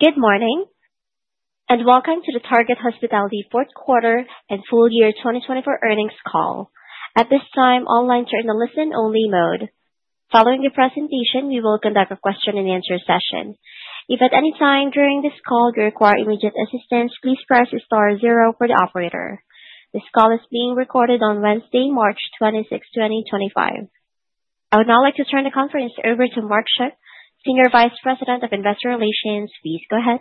Good morning and welcome to the Target Hospitality Fourth Quarter and Full Year 2024 Earnings Call. At this time, all lines are in the listen-only mode. Following the presentation, we will conduct a question-and-answer session. If at any time during this call you require immediate assistance, please press star zero for the operator. This call is being recorded on Wednesday, March 26, 2025. I would now like to turn the conference over to Mark Schuck, Senior Vice President of Investor Relations. Please go ahead.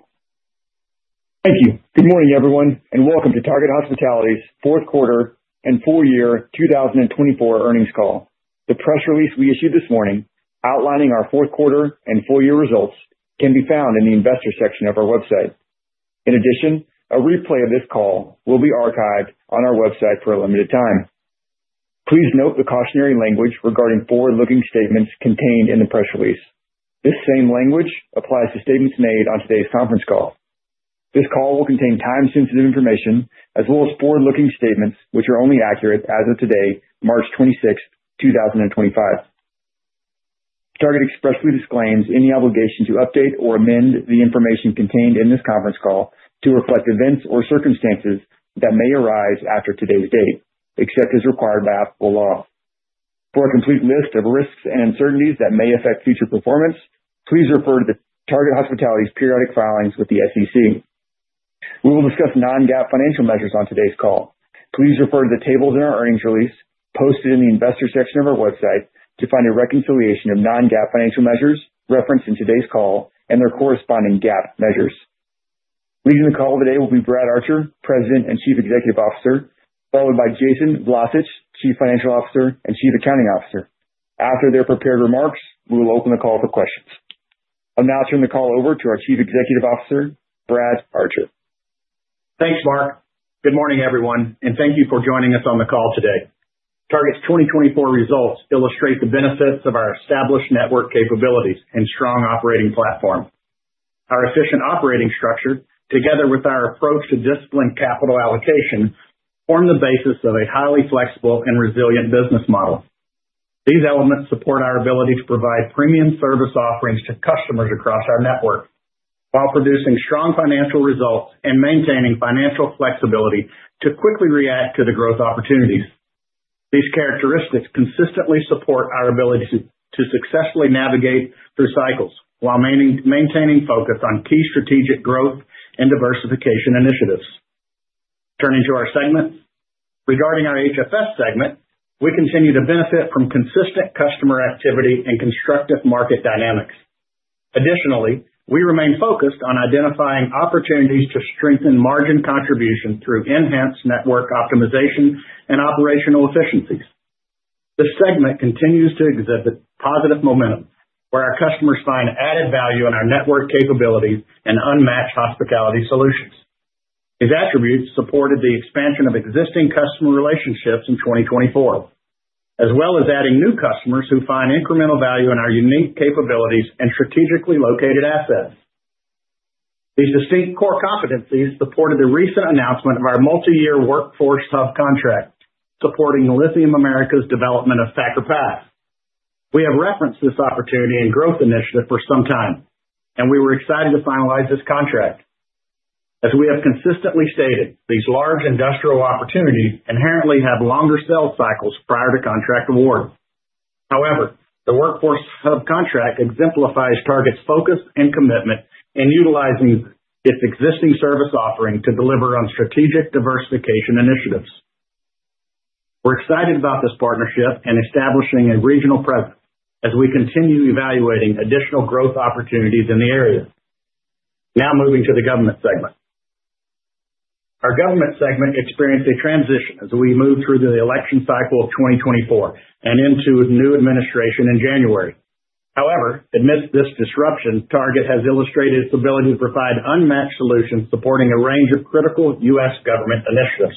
Thank you. Good morning, everyone, and welcome to Target Hospitality's Fourth Quarter and Full Year 2024 Earnings Call. The press release we issued this morning outlining our Fourth Quarter and Full Year results can be found in the investor section of our website. In addition, a replay of this call will be archived on our website for a limited time. Please note the cautionary language regarding forward-looking statements contained in the press release. This same language applies to statements made on today's conference call. This call will contain time-sensitive information as well as forward-looking statements which are only accurate as of today, March 26, 2025. Target expressly disclaims any obligation to update or amend the information contained in this conference call to reflect events or circumstances that may arise after today's date, except as required by applicable law. For a complete list of risks and uncertainties that may affect future performance, please refer to Target Hospitality's periodic filings with the SEC. We will discuss non-GAAP financial measures on today's call. Please refer to the tables in our earnings release posted in the investor section of our website to find a reconciliation of non-GAAP financial measures referenced in today's call and their corresponding GAAP measures. Leading the call today will be Brad Archer, President and Chief Executive Officer, followed by Jason Vlacich, Chief Financial Officer and Chief Accounting Officer. After their prepared remarks, we will open the call for questions. I'm now turning the call over to our Chief Executive Officer, Brad Archer. Thanks, Mark. Good morning, everyone, and thank you for joining us on the call today. Target Hospitality's 2024 results illustrate the benefits of our established network capabilities and strong operating platform. Our efficient operating structure, together with our approach to disciplined capital allocation, form the basis of a highly flexible and resilient business model. These elements support our ability to provide premium service offerings to customers across our network while producing strong financial results and maintaining financial flexibility to quickly react to the growth opportunities. These characteristics consistently support our ability to successfully navigate through cycles while maintaining focus on key strategic growth and diversification initiatives. Turning to our segment, regarding our HFS segment, we continue to benefit from consistent customer activity and constructive market dynamics. Additionally, we remain focused on identifying opportunities to strengthen margin contribution through enhanced network optimization and operational efficiencies. This segment continues to exhibit positive momentum where our customers find added value in our network capabilities and unmatched hospitality solutions. These attributes supported the expansion of existing customer relationships in 2024, as well as adding new customers who find incremental value in our unique capabilities and strategically located assets. These distinct core competencies supported the recent announcement of our multi-year workforce hub contract supporting Lithium Americas' development of Thacker Pass. We have referenced this opportunity and growth initiative for some time, and we were excited to finalize this contract. As we have consistently stated, these large industrial opportunities inherently have longer sales cycles prior to contract award. However, the workforce hub contract exemplifies Target's focus and commitment in utilizing its existing service offering to deliver on strategic diversification initiatives. We're excited about this partnership and establishing a regional presence as we continue evaluating additional growth opportunities in the area. Now moving to the government segment. Our government segment experienced a transition as we moved through the election cycle of 2024 and into a new administration in January. However, amidst this disruption, Target Hospitality has illustrated its ability to provide unmatched solutions supporting a range of critical U.S. government initiatives.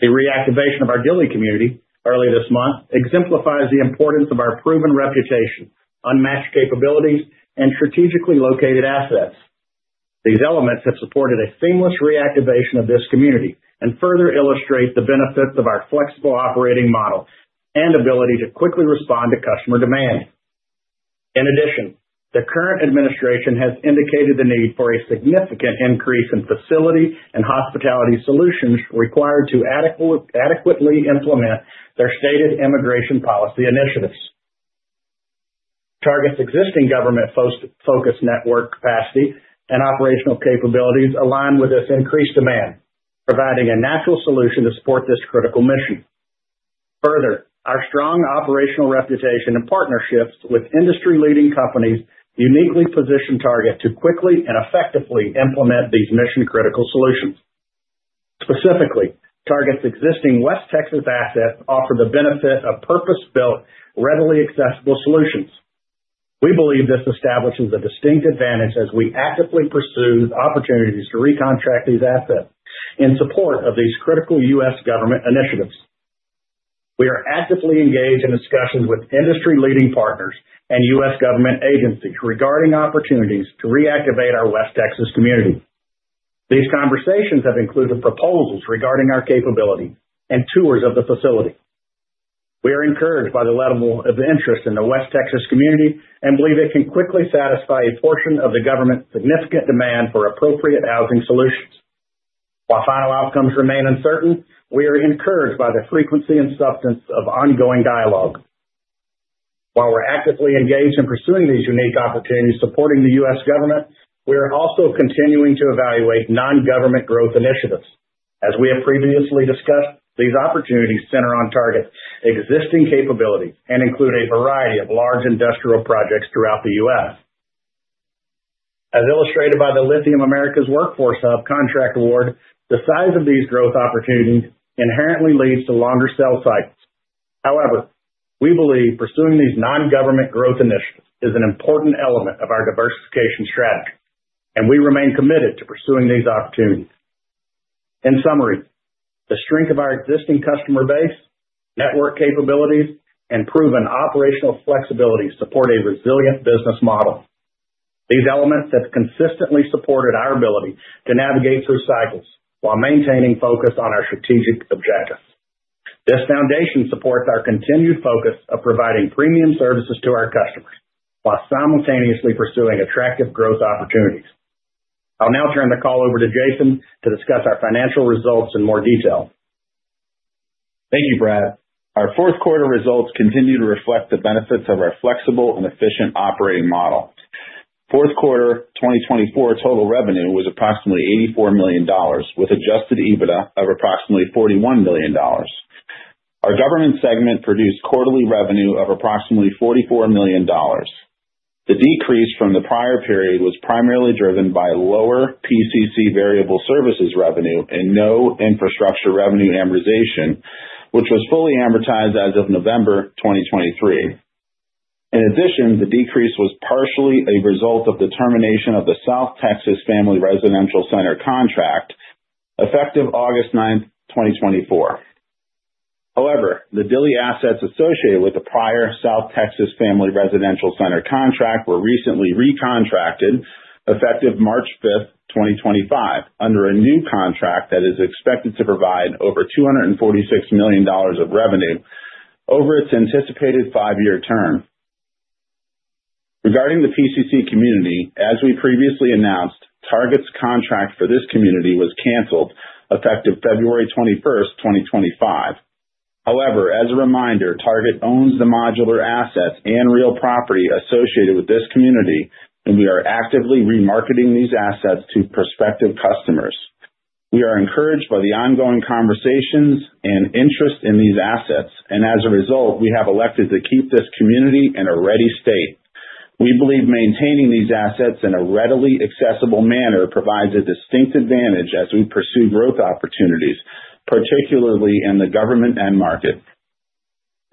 The reactivation of our Dilley community early this month exemplifies the importance of our proven reputation, unmatched capabilities, and strategically located assets. These elements have supported a seamless reactivation of this community and further illustrate the benefits of our flexible operating model and ability to quickly respond to customer demand. In addition, the current administration has indicated the need for a significant increase in facility and hospitality solutions required to adequately implement their stated immigration policy initiatives. Target Hospitality's existing government-focused network capacity and operational capabilities align with this increased demand, providing a natural solution to support this critical mission. Further, our strong operational reputation and partnerships with industry-leading companies uniquely position Target Hospitality to quickly and effectively implement these mission-critical solutions. Specifically, Target Hospitality's existing West Texas assets offer the benefit of purpose-built, readily accessible solutions. We believe this establishes a distinct advantage as we actively pursue opportunities to recontract these assets in support of these critical U.S. government initiatives. We are actively engaged in discussions with industry-leading partners and U.S. government agencies regarding opportunities to reactivate our West Texas community. These conversations have included proposals regarding our capability and tours of the facility. We are encouraged by the level of interest in the West Texas community and believe it can quickly satisfy a portion of the government's significant demand for appropriate housing solutions. While final outcomes remain uncertain, we are encouraged by the frequency and substance of ongoing dialogue. While we're actively engaged in pursuing these unique opportunities supporting the U.S. government, we are also continuing to evaluate non-government growth initiatives. As we have previously discussed, these opportunities center on Target Hospitality's existing capabilities and include a variety of large industrial projects throughout the U.S. As illustrated by the Lithium Americas Workforce Hub contract award, the size of these growth opportunities inherently leads to longer sales cycles. However, we believe pursuing these non-government growth initiatives is an important element of our diversification strategy, and we remain committed to pursuing these opportunities. In summary, the strength of our existing customer base, network capabilities, and proven operational flexibility support a resilient business model. These elements have consistently supported our ability to navigate through cycles while maintaining focus on our strategic objectives. This foundation supports our continued focus of providing premium services to our customers while simultaneously pursuing attractive growth opportunities. I'll now turn the call over to Jason to discuss our financial results in more detail. Thank you, Brad. Our fourth quarter results continue to reflect the benefits of our flexible and efficient operating model. Fourth quarter 2024 total revenue was approximately $84 million, with adjusted EBITDA of approximately $41 million. Our government segment produced quarterly revenue of approximately $44 million. The decrease from the prior period was primarily driven by lower PCC variable services revenue and no infrastructure revenue amortization, which was fully amortized as of November 2023. In addition, the decrease was partially a result of the termination of the South Texas Family Residential Center contract effective August 9, 2024. However, the Dilley assets associated with the prior South Texas Family Residential Center contract were recently recontracted effective March 5, 2025, under a new contract that is expected to provide over $246 million of revenue over its anticipated five-year term. Regarding the PCC community, as we previously announced, Target's contract for this community was canceled effective February 21, 2025. However, as a reminder, Target owns the modular assets and real property associated with this community, and we are actively remarketing these assets to prospective customers. We are encouraged by the ongoing conversations and interest in these assets, and as a result, we have elected to keep this community in a ready state. We believe maintaining these assets in a readily accessible manner provides a distinct advantage as we pursue growth opportunities, particularly in the government end market.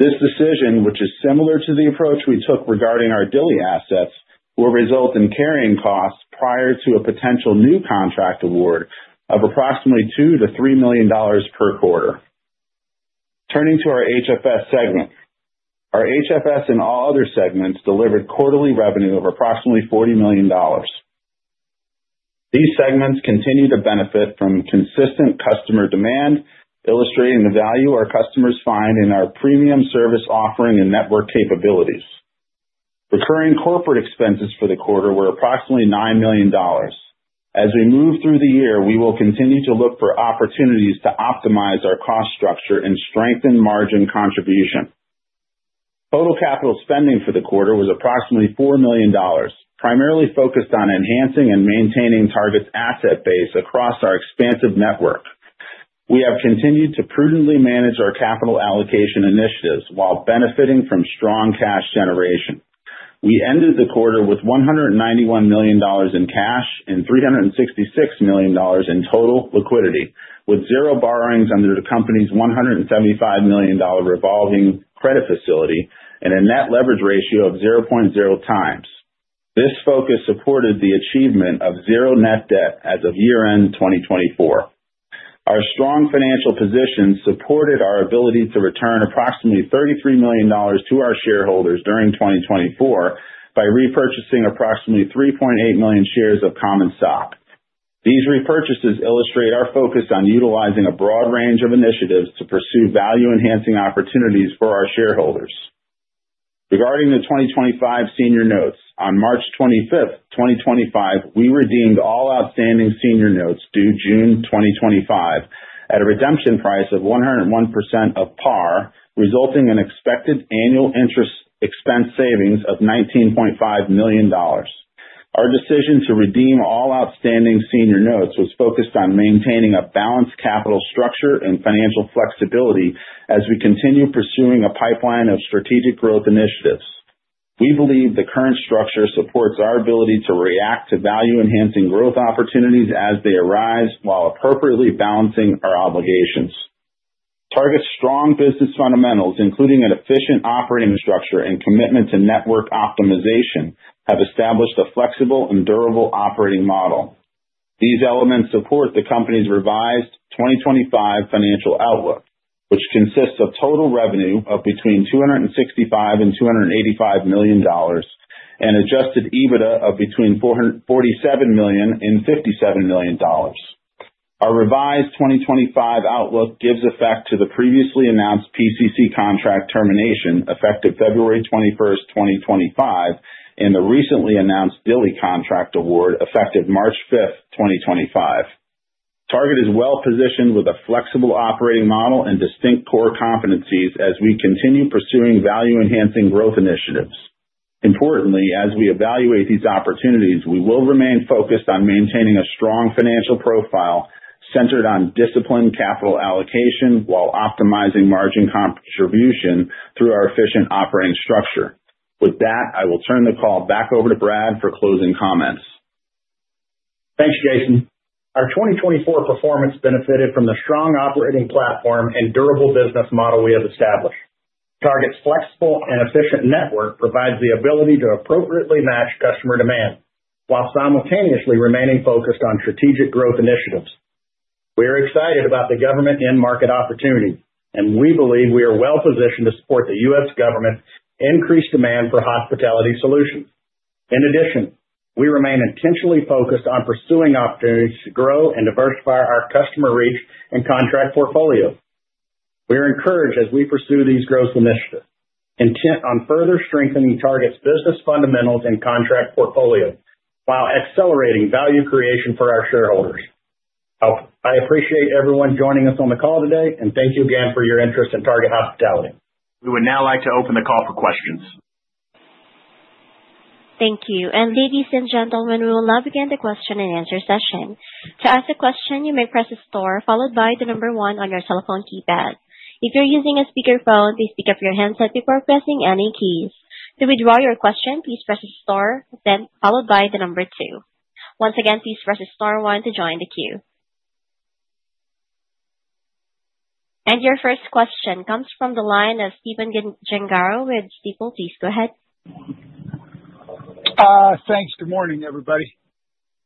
This decision, which is similar to the approach we took regarding our Dilley assets, will result in carrying costs prior to a potential new contract award of approximately $2–$3 million per quarter. Turning to our HFS segment, our HFS and All Other segments delivered quarterly revenue of approximately $40 million. These segments continue to benefit from consistent customer demand, illustrating the value our customers find in our premium service offering and network capabilities. Recurring corporate expenses for the quarter were approximately $9 million. As we move through the year, we will continue to look for opportunities to optimize our cost structure and strengthen margin contribution. Total capital spending for the quarter was approximately $4 million, primarily focused on enhancing and maintaining Target Hospitality's asset base across our expansive network. We have continued to prudently manage our capital allocation initiatives while benefiting from strong cash generation. We ended the quarter with $191 million in cash and $366 million in total liquidity, with zero borrowings under the company's $175 million revolving credit facility and a net leverage ratio of 0.0 x. This focus supported the achievement of zero net debt as of year-end 2024. Our strong financial positions supported our ability to return approximately $33 million to our shareholders during 2024 by repurchasing approximately 3.8 million shares of Common Stock. These repurchases illustrate our focus on utilizing a broad range of initiatives to pursue value-enhancing opportunities for our shareholders. Regarding the 2025 senior notes, on March 25, 2025, we redeemed all outstanding senior notes due June 2025 at a redemption price of 101% of par, resulting in expected annual interest expense savings of $19.5 million. Our decision to redeem all outstanding senior notes was focused on maintaining a balanced capital structure and financial flexibility as we continue pursuing a pipeline of strategic growth initiatives. We believe the current structure supports our ability to react to value-enhancing growth opportunities as they arise while appropriately balancing our obligations. Hospitality's strong business fundamentals, including an efficient operating structure and commitment to network optimization, have established a flexible and durable operating model. These elements support the company's revised 2025 financial outlook, which consists of total revenue of between $265 million and $285 million and adjusted EBITDA of between $47 million and $57 million. Our revised 2025 outlook gives effect to the previously announced PCC contract termination effective February 21, 2025, and the recently announced Dilley contract award effective March 5, 2025. Target Hospitality is well-positioned with a flexible operating model and distinct core competencies as we continue pursuing value-enhancing growth initiatives. Importantly, as we evaluate these opportunities, we will remain focused on maintaining a strong financial profile centered on disciplined capital allocation while optimizing margin contribution through our efficient operating structure. With that, I will turn the call back over to Brad for closing comments. Thanks, Jason. Our 2024 performance benefited from the strong operating platform and durable business model we have established. Target's flexible and efficient network provides the ability to appropriately match customer demand while simultaneously remaining focused on strategic growth initiatives. We are excited about the government and market opportunity, and we believe we are well-positioned to support the U.S. government's increased demand for hospitality solutions. In addition, we remain intentionally focused on pursuing opportunities to grow and diversify our customer reach and contract portfolio. We are encouraged as we pursue these growth initiatives, intent on further strengthening Target's business fundamentals and contract portfolio while accelerating value creation for our shareholders. I appreciate everyone joining us on the call today, and thank you again for your interest in Target Hospitality. We would now like to open the call for questions. Thank you. Ladies and gentlemen, we will now begin the question and answer session. To ask a question, you may press the star followed by the number one on your cell phone keypad. If you're using a speakerphone, please pick up your handset before pressing any keys. To withdraw your question, please press the star followed by the number two. Once again, please press the star one to join the queue. Your first question comes from the line of Stephen Gengaro with Stifel. Please go ahead. Thanks. Good morning, everybody.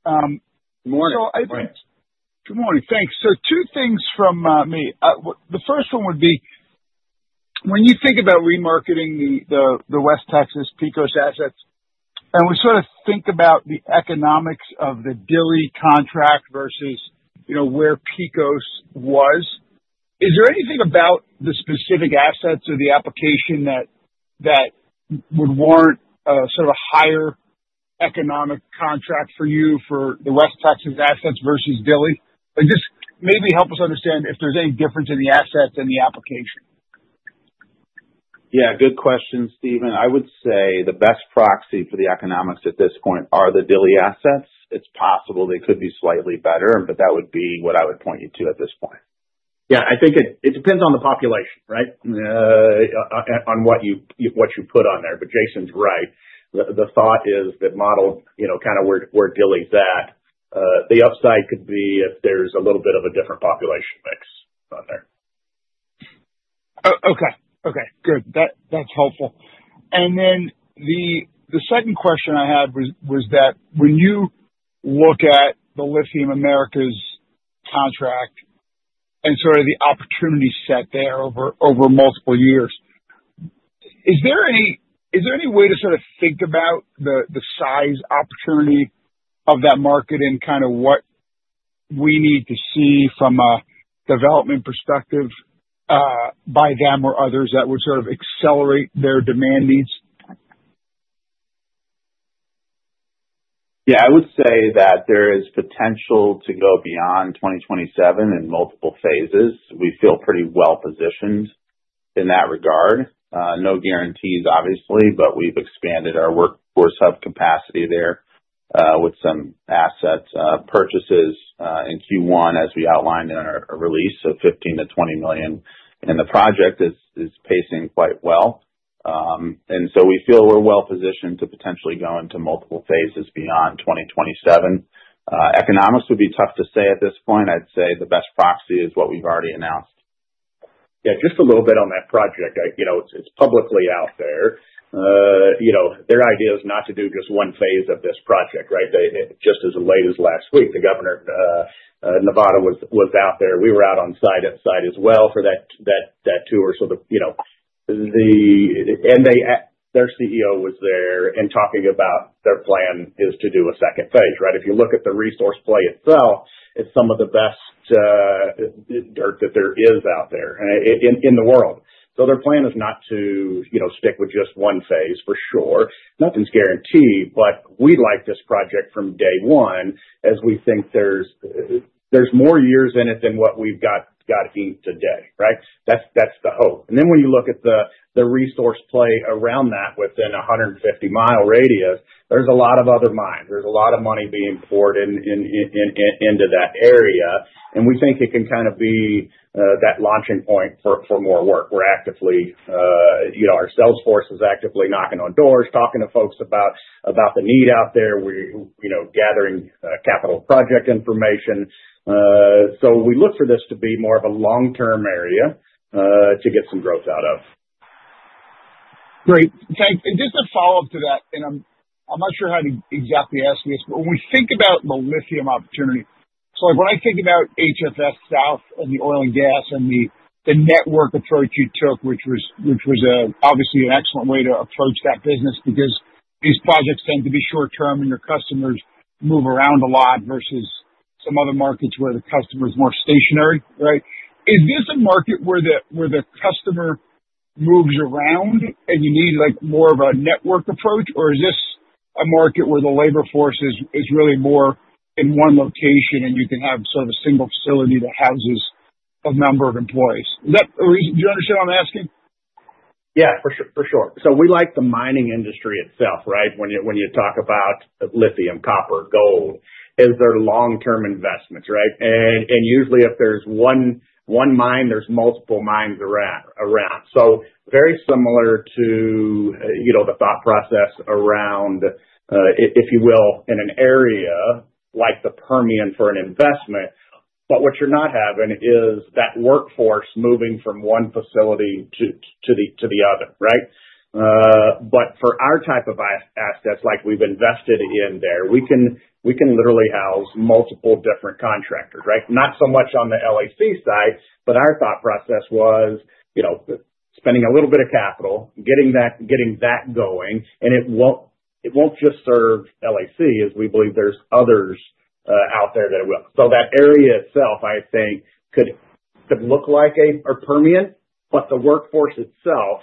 Good morning. I think. Good morning. Good morning. Thanks. Two things from me. The first one would be when you think about remarketing the West Texas PCC assets and we sort of think about the economics of the Gili contract versus where PCC was, is there anything about the specific assets or the application that would warrant a higher economic contract for you for the West Texas assets versus Gili? Just maybe help us understand if there is any difference in the assets and the application. Yeah. Good question, Stephen. I would say the best proxy for the economics at this point are the Dilley assets. It's possible they could be slightly better, but that would be what I would point you to at this point. Yeah. I think it depends on the population, right, on what you put on there. Jason's right. The thought is that model kind of where Dilley's at. The upside could be if there's a little bit of a different population mix on there. Okay. Good. That's helpful. The second question I had was that when you look at the Lithium Americas contract and sort of the opportunity set there over multiple years, is there any way to sort of think about the size opportunity of that market and kind of what we need to see from a development perspective by them or others that would sort of accelerate their demand needs? Yeah. I would say that there is potential to go beyond 2027 in multiple phases. We feel pretty well-positioned in that regard. No guarantees, obviously, but we've expanded our workforce hub capacity there with some asset purchases in Q1, as we outlined in our release, so $15 million–$20 million in the project is pacing quite well. We feel we're well-positioned to potentially go into multiple phases beyond 2027. Economics would be tough to say at this point. I'd say the best proxy is what we've already announced. Yeah. Just a little bit on that project. It's publicly out there. Their idea is not to do just one phase of this project, right? Just as late as last week, the governor of Nevada was out there. We were out on site at site as well for that tour. Their CEO was there and talking about their plan is to do a second phase, right? If you look at the resource play itself, it's some of the best that there is out there in the world. Their plan is not to stick with just one phase for sure. Nothing's guaranteed, but we'd like this project from day one as we think there's more years in it than what we've got in today, right? That's the hope. When you look at the resource play around that within a 150-mile radius, there's a lot of other mines. There's a lot of money being poured into that area. We think it can kind of be that launching point for more work. Our sales force is actively knocking on doors, talking to folks about the need out there, gathering capital project information. We look for this to be more of a long-term area to get some growth out of. Great. Thanks. Just a follow-up to that, and I'm not sure how to exactly ask this, but when we think about the lithium opportunity, so when I think about HFS South and the oil and gas and the network approach you took, which was obviously an excellent way to approach that business because these projects tend to be short-term and your customers move around a lot versus some other markets where the customer is more stationary, right? Is this a market where the customer moves around and you need more of a network approach, or is this a market where the labor force is really more in one location and you can have sort of a single facility that houses a number of employees? Do you understand what I'm asking? Yeah. For sure. We like the mining industry itself, right? When you talk about lithium, copper, gold, these are long-term investments, right? Usually, if there is one mine, there are multiple mines around. Very similar to the thought process, if you will, in an area like the Permian for an investment. What you are not having is that workforce moving from one facility to the other, right? For our type of assets, like we have invested in there, we can literally house multiple different contractors, right? Not so much on the LAC side, but our thought process was spending a little bit of capital, getting that going, and it will not just serve LAC as we believe there are others out there that will. That area itself, I think, could look like a Permian, but the workforce itself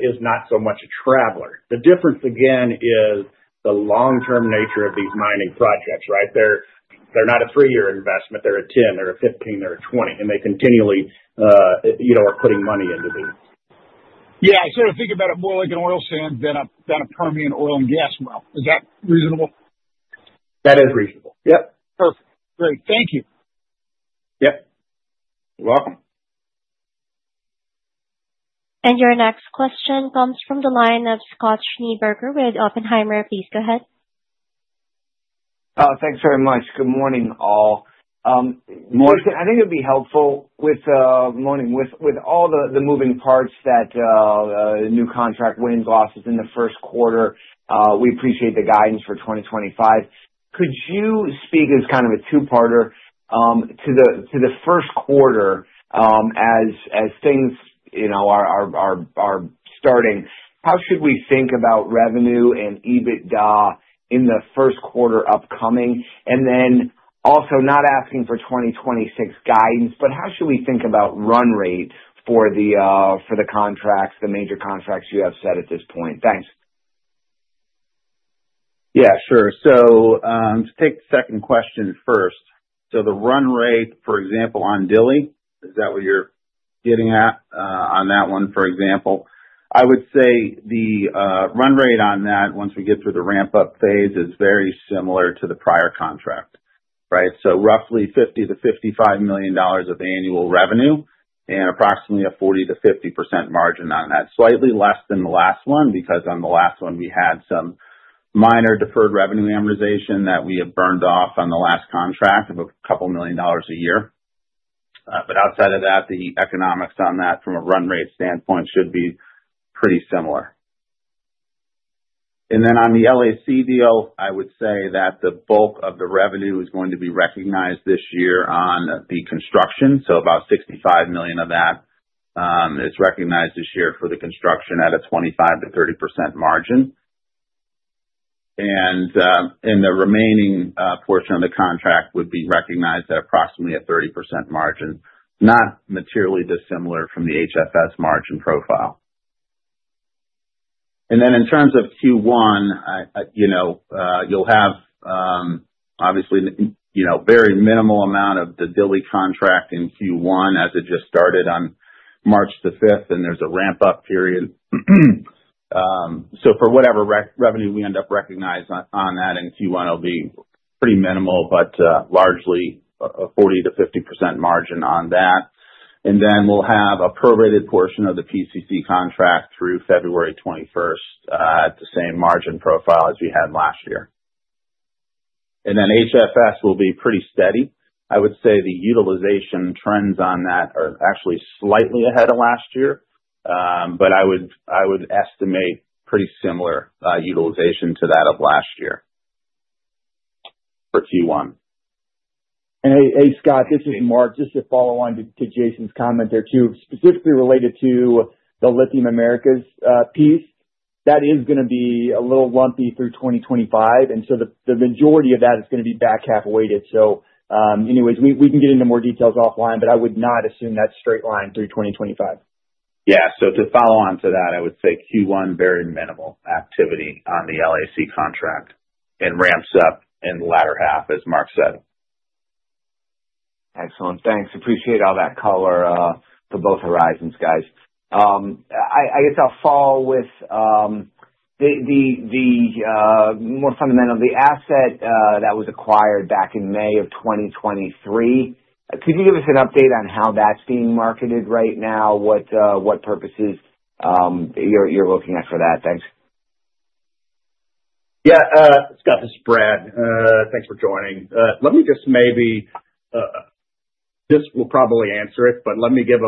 is not so much a traveler. The difference, again, is the long-term nature of these mining projects, right? They're not a three-year investment. They're a 10, they're a 15, they're a 20, and they continually are putting money into these. Yeah. I sort of think about it more like an oil sands than a Permian oil and gas well. Is that reasonable? That is reasonable. Yep. Perfect. Great. Thank you. Yep. You're welcome. Your next question comes from the line of Scott Schneeberger with Oppenheimer. Please go ahead. Thanks very much. Good morning, all. Morning. I think it would be helpful with all the moving parts, the new contract wins, losses in the first quarter. We appreciate the guidance for 2025. Could you speak as kind of a two-parter to the first quarter as things are starting? How should we think about revenue and EBITDA in the first quarter upcoming? Also, not asking for 2026 guidance, but how should we think about run rate for the contracts, the major contracts you have set at this point? Thanks. Yeah. Sure. To take the second question first, the run rate, for example, on Gili, is that what you're getting at on that one, for example? I would say the run rate on that, once we get through the ramp-up phase, is very similar to the prior contract, right? So roughly $50–$55 million of annual revenue and approximately a 40%–50% margin on that. Slightly less than the last one because on the last one, we had some minor deferred revenue amortization that we had burned off on the last contract of a couple of million dollars a year. Outside of that, the economics on that from a run rate standpoint should be pretty similar. On the LAC deal, I would say that the bulk of the revenue is going to be recognized this year on the construction. About $65 million of that is recognized this year for the construction at a 25%-30% margin. The remaining portion of the contract would be recognized at approximately a 30% margin, not materially dissimilar from the HFS margin profile. In terms of Q1, you'll have obviously a very minimal amount of the Gili contract in Q1 as it just started on March 5, and there's a ramp-up period. For whatever revenue we end up recognizing on that in Q1, it'll be pretty minimal, but largely a 40%–50% margin on that. We'll have a prorated portion of the PCC contract through February 21 at the same margin profile as we had last year. HFS will be pretty steady. I would say the utilization trends on that are actually slightly ahead of last year, but I would estimate pretty similar utilization to that of last year for Q1. Hey, Scott, this is Brad. Just to follow on to Jason's comment there too, specifically related to the Lithium Americas piece, that is going to be a little lumpy through 2025. The majority of that is going to be back half-weighted. Anyways, we can get into more details offline, but I would not assume that's straight line through 2025. Yeah. To follow on to that, I would say Q1, very minimal activity on the LAC contract and ramps up in the latter half, as Mark said. Excellent. Thanks. Appreciate all that color for both horizons, guys. I guess I'll follow with the more fundamental, the asset that was acquired back in May of 2023. Could you give us an update on how that's being marketed right now? What purposes you're looking at for that? Thanks. Yeah. Scott, this is Brad. Thanks for joining. Let me just maybe this will probably answer it, but let me give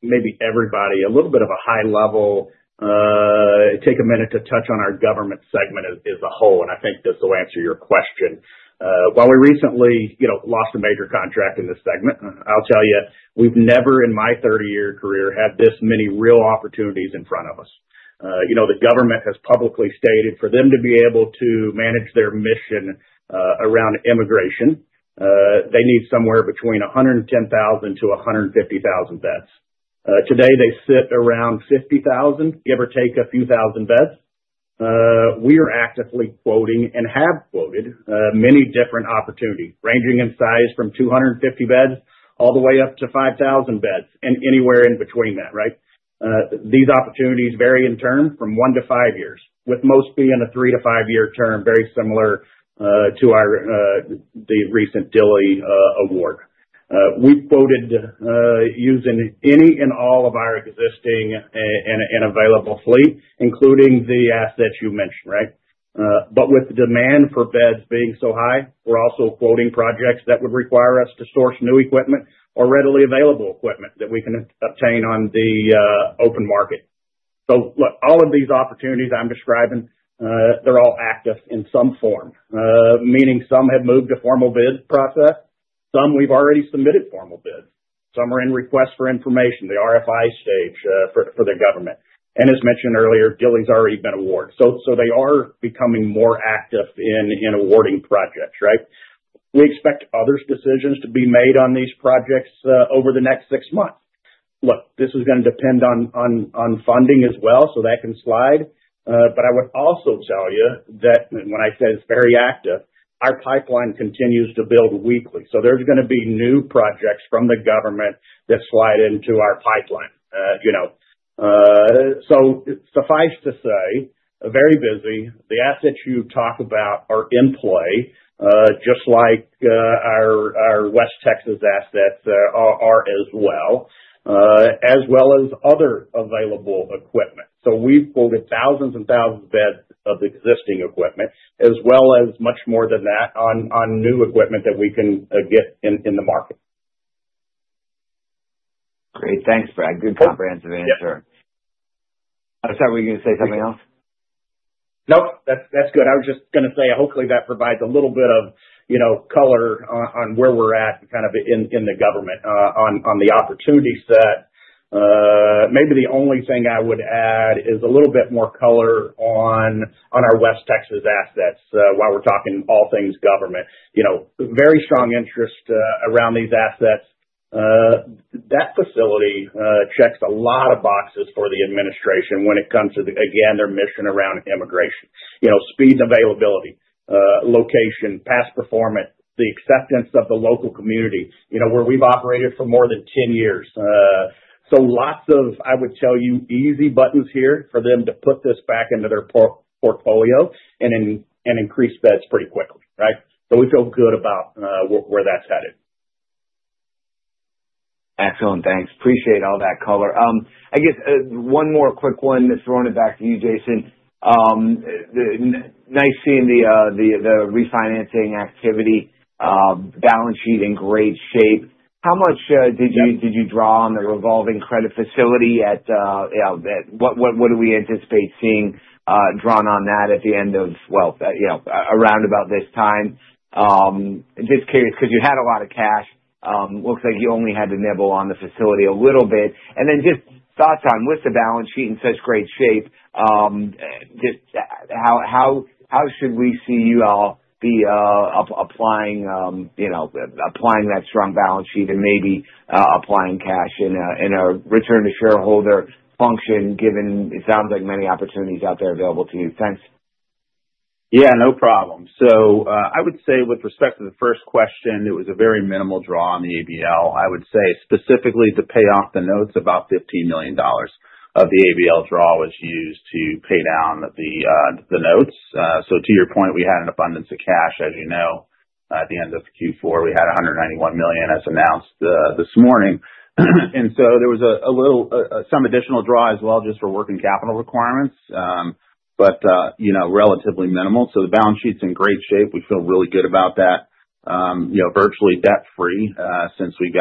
maybe everybody a little bit of a high level. Take a minute to touch on our government segment as a whole, and I think this will answer your question. While we recently lost a major contract in this segment, I'll tell you, we've never in my 30-year career had this many real opportunities in front of us. The government has publicly stated for them to be able to manage their mission around immigration, they need somewhere between 110,000–150,000 beds. Today, they sit around 50,000, give or take a few thousand beds. We are actively quoting and have quoted many different opportunities ranging in size from 250 beds all the way up to 5,000 beds and anywhere in between that, right? These opportunities vary in terms from one to five years, with most being a three- to five-year term, very similar to the recent Gili award. We've quoted using any and all of our existing and available fleet, including the assets you mentioned, right? With the demand for beds being so high, we're also quoting projects that would require us to source new equipment or readily available equipment that we can obtain on the open market. All of these opportunities I'm describing, they're all active in some form, meaning some have moved to formal bid process, some we've already submitted formal bids, some are in request for information, the RFI stage for the government. As mentioned earlier, Gili's already been awarded. They are becoming more active in awarding projects, right? We expect other decisions to be made on these projects over the next six months. Look, this is going to depend on funding as well, so that can slide. I would also tell you that when I say it's very active, our pipeline continues to build weekly. There are going to be new projects from the government that slide into our pipeline. Suffice to say, very busy. The assets you talk about are in play, just like our West Texas assets are as well, as well as other available equipment. We've quoted thousands and thousands of beds of existing equipment, as well as much more than that on new equipment that we can get in the market. Great. Thanks, Brad. Good comprehensive answer. I'm sorry, were you going to say something else? Nope. That's good. I was just going to say, hopefully, that provides a little bit of color on where we're at kind of in the government on the opportunity set. Maybe the only thing I would add is a little bit more color on our West Texas assets while we're talking all things government. Very strong interest around these assets. That facility checks a lot of boxes for the administration when it comes to, again, their mission around immigration, speed and availability, location, past performance, the acceptance of the local community where we've operated for more than 10 years. Lots of, I would tell you, easy buttons here for them to put this back into their portfolio and increase beds pretty quickly, right? We feel good about where that's headed. Excellent. Thanks. Appreciate all that color. I guess one more quick one, just throwing it back to you, Jason. Nice seeing the refinancing activity, balance sheet in great shape. How much did you draw on the revolving credit facility and what do we anticipate seeing drawn on that at the end of, around about this time? Just curious because you had a lot of cash. Looks like you only had to nibble on the facility a little bit. Just thoughts on with the balance sheet in such great shape, how should we see you all be applying that strong balance sheet and maybe applying cash in a return-to-shareholder function given it sounds like many opportunities out there available to you? Thanks. Yeah. No problem. I would say with respect to the first question, it was a very minimal draw on the ABL. I would say specifically to pay off the notes, about $15 million of the ABL draw was used to pay down the notes. To your point, we had an abundance of cash, as you know, at the end of Q4. We had $191 million, as announced this morning. There was some additional draw as well just for working capital requirements, but relatively minimal. The balance sheet's in great shape. We feel really good about that. Virtually debt-free since we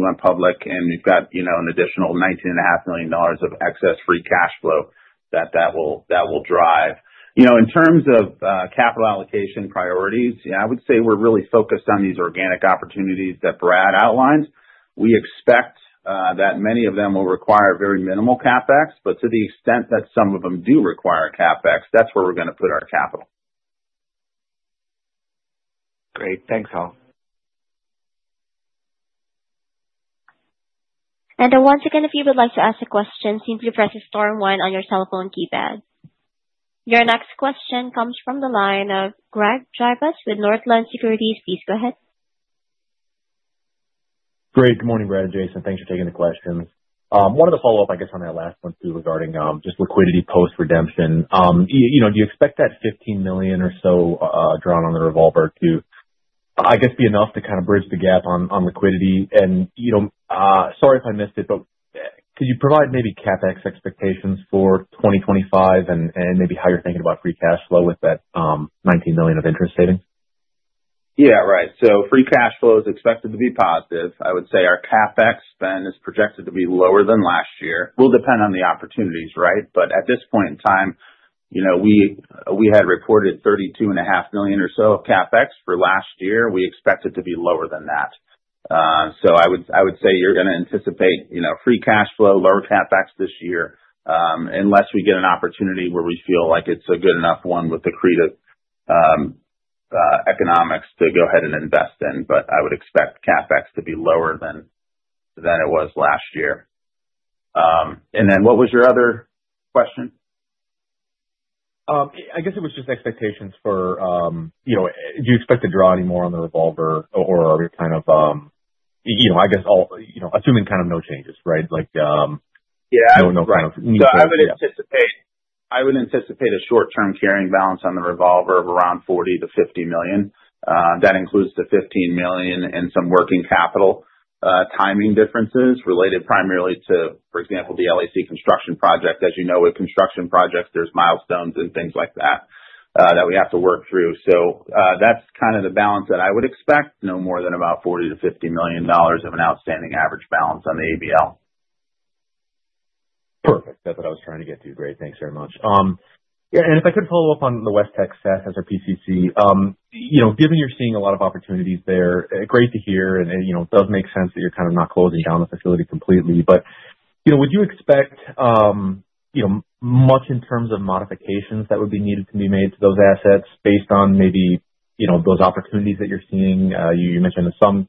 went public, and we've got an additional $19.5 million of excess free cash flow that will drive. In terms of capital allocation priorities, I would say we're really focused on these organic opportunities that Brad outlined. We expect that many of them will require very minimal CapEx, but to the extent that some of them do require CapEx, that's where we're going to put our capital. Great. Thanks, all. If you would like to ask a question, simply press the star and one on your cell phone keypad. Your next question comes from the line of Greg Gibas with Northland Securities. Please go ahead. Great. Good morning, Brad and Jason. Thanks for taking the questions. One of the follow-ups, I guess, on that last one too regarding just liquidity post-redemption. Do you expect that $15 million or so drawn on the revolver to, I guess, be enough to kind of bridge the gap on liquidity? Sorry if I missed it, but could you provide maybe CapEx expectations for 2025 and maybe how you're thinking about free cash flow with that $19 million of interest savings? Yeah. Right. So free cash flow is expected to be positive. I would say our CapEx spend is projected to be lower than last year. It will depend on the opportunities, right? At this point in time, we had reported $32.5 million or so of CapEx for last year. We expect it to be lower than that. I would say you're going to anticipate free cash flow, lower CapEx this year, unless we get an opportunity where we feel like it's a good enough one with the current economics to go ahead and invest in. I would expect CapEx to be lower than it was last year. What was your other question? I guess it was just expectations for do you expect to draw any more on the revolver, or are we kind of, I guess, assuming kind of no changes, right? Like no new cash flow. Yeah. I would anticipate a short-term carrying balance on the revolver of around $40–$50 million. That includes the $15 million and some working capital timing differences related primarily to, for example, the LAC construction project. As you know, with construction projects, there are milestones and things like that that we have to work through. That is kind of the balance that I would expect, no more than about $40–$50 million of an outstanding average balance on the ABL. Perfect. That's what I was trying to get to. Great. Thanks very much. Yeah. If I could follow up on the West Texas as our PCC, given you're seeing a lot of opportunities there, great to hear, and it does make sense that you're kind of not closing down the facility completely. Would you expect much in terms of modifications that would be needed to be made to those assets based on maybe those opportunities that you're seeing? You mentioned some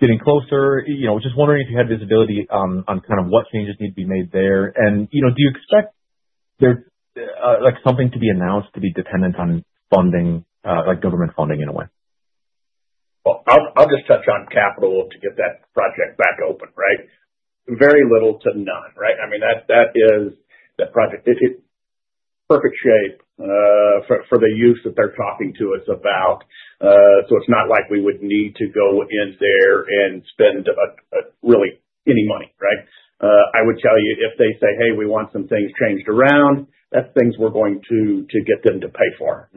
getting closer. Just wondering if you had visibility on kind of what changes need to be made there. Do you expect something to be announced to be dependent on funding, like government funding in a way? I will just touch on capital to get that project back open, right? Very little to none, right? I mean, that project is in perfect shape for the use that they are talking to us about. It is not like we would need to go in there and spend really any money, right? I would tell you if they say, "Hey, we want some things changed around," that is things we are going to get them to pay for.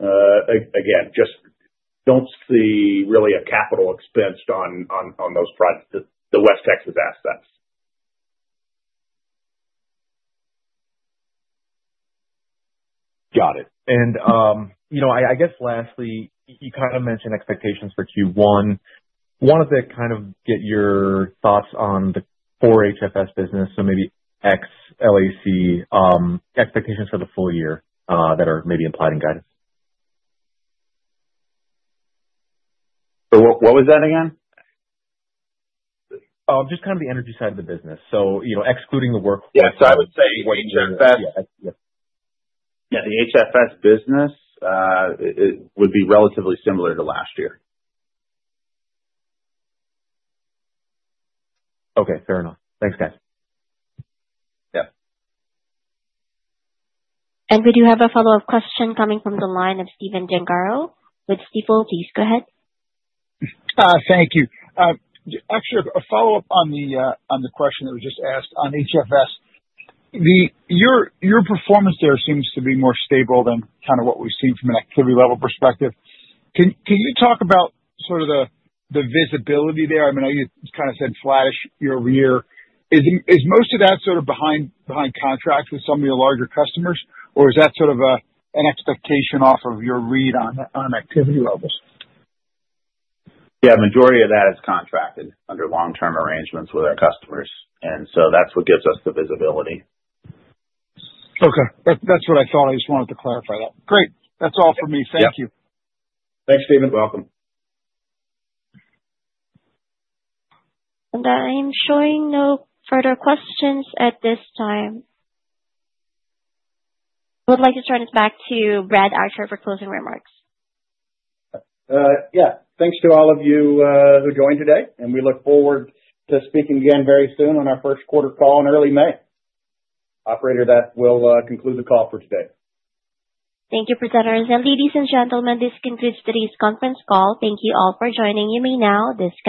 Again, just do not see really a capital expense on those projects, the West Texas assets. Got it. I guess lastly, you kind of mentioned expectations for Q1. Wanted to kind of get your thoughts on the core HFS business, so maybe ex-LAC expectations for the full year that are maybe implied in guidance. What was that again? Just kind of the energy side of the business. Excluding the work. Yeah. I would say. Yeah. The HFS business would be relatively similar to last year. Okay. Fair enough. Thanks, guys. Yeah. We do have a follow-up question coming from the line of Stephen Gengaro. Mr. Stephen, please go ahead. Thank you. Actually, a follow-up on the question that was just asked on HFS. Your performance there seems to be more stable than kind of what we've seen from an activity-level perspective. Can you talk about sort of the visibility there? I mean, you kind of said flattish year-over-year. Is most of that sort of behind contract with some of your larger customers, or is that sort of an expectation off of your read on activity levels? Yeah. The majority of that is contracted under long-term arrangements with our customers. That is what gives us the visibility. Okay. That's what I thought. I just wanted to clarify that. Great. That's all for me. Thank you. Thanks, Stephen. Welcome. I'm showing no further questions at this time. We'd like to turn it back to Brad Archer for closing remarks. Yeah. Thanks to all of you who joined today, and we look forward to speaking again very soon on our first quarter call in early May. Operator, that will conclude the call for today. Thank you, presenters. Ladies and gentlemen, this concludes today's conference call. Thank you all for joining. You may now disconnect.